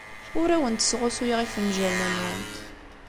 Ur awent-sɣusuyeɣ ifenjalen-nwent.